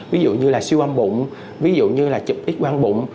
ví dụ như là siêu quang bụng ví dụ như là chụp x quang bụng